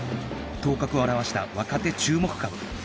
頭角を現した若手注目株